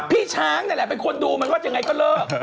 พี่ช้างนี่แหละเป็นคนดูมันว่ายังไงก็เลิก